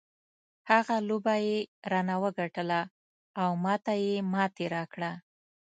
هغه لوبه یې رانه وګټله او ما ته یې ماتې راکړه.